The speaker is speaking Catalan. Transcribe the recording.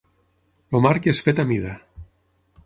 El marc és fet a mida.